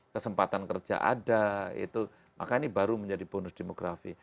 kesempatan kerja ada itu maka ini baru menjadi bonus demografi